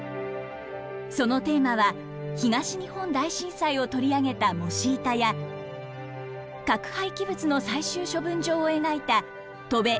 そのテーマは東日本大震災を取り上げた「もしイタ」や核廃棄物の最終処分場を描いた「翔べ！